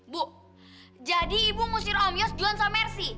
bu jadi ibu ngusir om yos juan sama mercy